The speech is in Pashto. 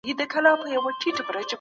کمپيوټر په معمارۍ کښي کارېږي.